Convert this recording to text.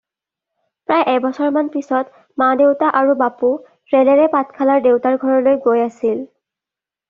প্ৰায় এবছৰমান পিছত মা দেউতা আৰু বাপু ৰেলেৰে পাঠশালাৰ দেউতাৰ ঘৰলৈ গৈ আছিল।